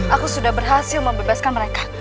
aku sudah berhasil membebaskan mereka